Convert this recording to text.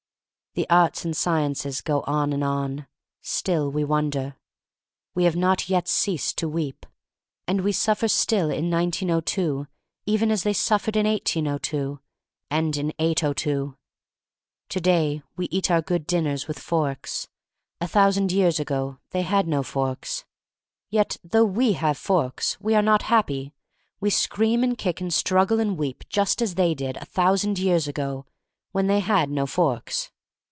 The arts and sciences go on and on — still we wonder. We have not yet ceased to weep. And we suffer still in 1902, even as they suffered in 1802, and in 802. To day we eat our good dinners with forks. A thousand years ago they had no forks. Yet, though we have forks, we are not happy. We scream and kick and struggle and weep just as they did a thousand years ago — when they had no forks.